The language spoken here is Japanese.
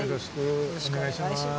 よろしくお願いします。